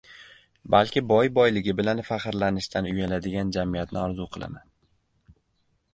balki boy boyligi bilan faxrlanishdan uyaladigan jamiyatni orzu qilaman.